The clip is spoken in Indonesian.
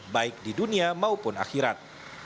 baik di dunia maupun akhirat